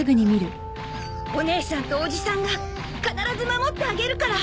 お姉さんとおじさんが必ず守ってあげるから。